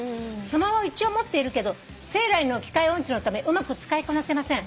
スマホ一応持っているけど生来の機械音痴のためうまく使いこなせません」